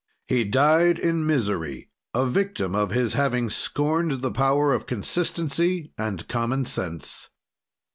"He died in misery, a victim of his having scorned the power of consistency and common sense."